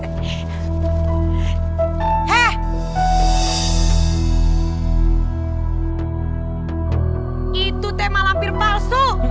hai itu tema lampir palsu